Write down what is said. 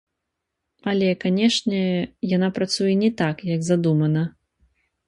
Але, канечне, яна працуе не так, як задумана.